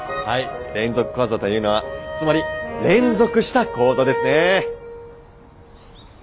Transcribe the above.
はい連続講座というのはつまり連続した講座ですね。